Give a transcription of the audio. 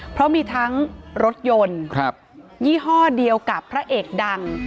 เพราะมีทั้งรถยนต์ยี่ห้อเดียวกับพระเอกดัง